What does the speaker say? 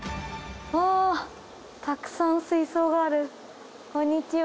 おたくさん水槽があるこんにちは